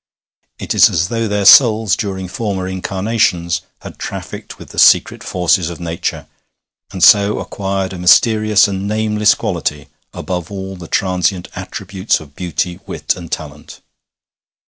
It is as though their souls, during former incarnations, had trafficked with the secret forces of nature, and so acquired a mysterious and nameless quality above all the transient attributes of beauty, wit, and talent.